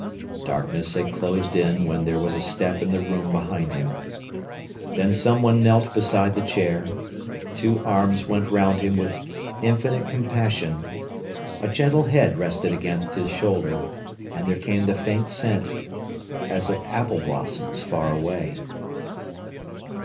Darkness had closed in when there was a step in the room behind him. Then someone knelt beside the chair, two arms went round him with infinite compassion, a gentle head rested against his shoulder, and there came the faint scent as of apple blossoms far away.